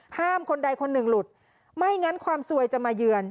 คนใดคนหนึ่งหลุดไม่งั้นความซวยจะมาเยือน